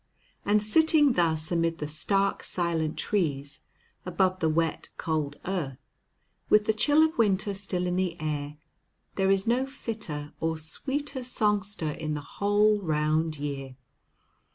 And sitting thus amid the stark, silent trees, above the wet, cold earth, with the chill of winter still in the air, there is no fitter or sweeter songster in the whole round year.